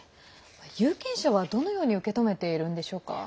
有権者は、どのように受け止めているのでしょうか？